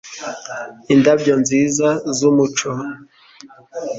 Indabyo nziza zumuco